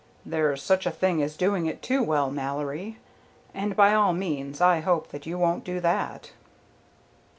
"There's such a thing as doing it too well, Mallory. And by all means I hope that you won't do that."